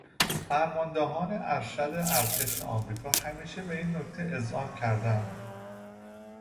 فرماندهان ارشد ارتش آمریکا همیشه به این نکته اذعان کرده اند.